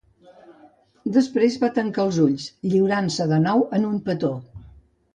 Després va tancar els ulls, lliurant-se de nou en un petó.